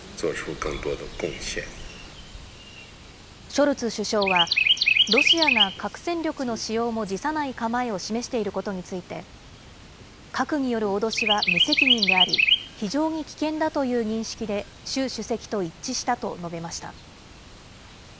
ショルツ首相は、ロシアが核戦力の使用も辞さない構えを示していることについて、核による脅しは無責任であり、非常に危険だという認識で習主席と一致したと述べました。